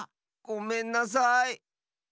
ごめんなさい。